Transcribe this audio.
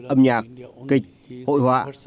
âm nhạc kịch hội họa